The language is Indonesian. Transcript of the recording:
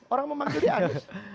orang memang jadi anies